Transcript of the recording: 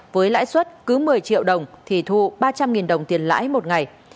với lãi suất cứ một mươi triệu đồng thì thu ba trăm linh đồng tiền lãi một ngày